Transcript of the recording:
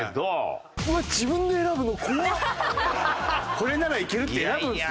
これならいけるって選ぶんですよ。